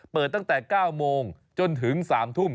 เปิดตั้งแต่๙โมงจนถึง๓ทุ่ม